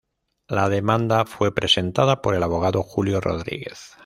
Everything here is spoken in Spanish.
La demanda fue presentada por el abogado Julio Rodríguez.